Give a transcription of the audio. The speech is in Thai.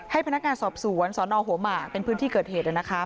ให้พนักงานสอบสวนสอนอโหมาเป็นพื้นที่เกิดเหตุนะคะ